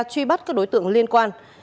truy bắt các đối tượng liên quan